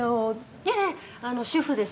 いえいえ、主婦です。